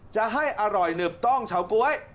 จะให้อร่อยหนึบต้องเฉาก๊วย